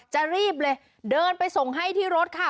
จะรีบเลยเดินไปส่งให้ที่รถค่ะ